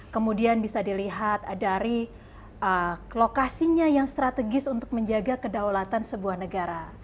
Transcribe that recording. kemudian bisa dilihat dari lokasinya yang strategis untuk menjaga kedaulatan sebuah negara